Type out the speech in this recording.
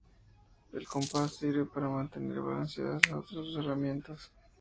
El compás sirve para mantener balanceadas las otras dos herramientas.